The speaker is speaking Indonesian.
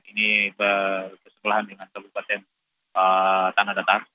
ini bersekolahan dengan kabupaten tanah datar